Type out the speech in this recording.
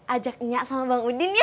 ajaknya sama bang udin ya